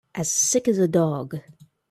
As sick as a dog.